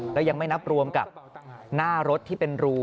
แล้วยังไม่นับรวมกับหน้ารถที่เป็นรู